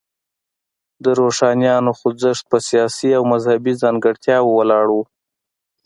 د روښانیانو خوځښت په سیاسي او مذهبي ځانګړتیاوو ولاړ و.